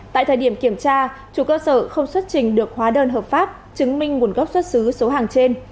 tại thời điểm kiểm tra chủ cơ sở không xuất trình được hóa đơn hợp pháp chứng minh nguồn gốc xuất xứ số hàng trên